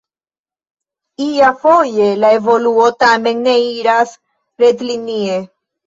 Iafoje la evoluo tamen ne iras rektlinie.